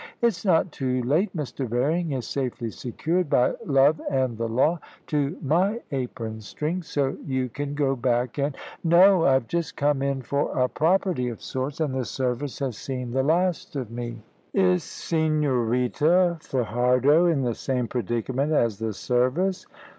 "It's not too late. Mr. Berring is safely secured, by love and the law, to my apron strings, so you can go back and " "No; I've just come in for a property of sorts, and the service has seen the last of me." "Is Señorita Fajardo in the same predicament as the service?"